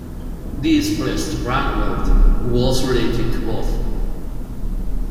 This pleased Ragnvald who was related to both.